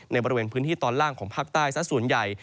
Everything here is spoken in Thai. ในบริเวณพื้นที่ตอนล่างของภาคใต้ซะส่วนใหญ่